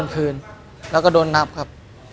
สวัสดีครับ